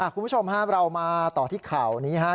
คุณผู้ชมครับเรามาต่อที่ข่าวนี้ครับ